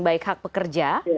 baik hak pekerja